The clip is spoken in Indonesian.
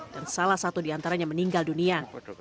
dan salah satu diantaranya meninggal dunia